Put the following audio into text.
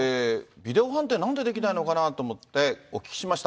ビデオ判定、なんでできないのかなと思って、お聞きしました。